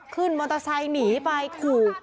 ขึ้นมอเตอร์ไซค์หนีไปขู่